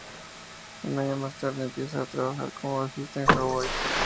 Un año más tarde empieza a trabajar como bajista en Hawai.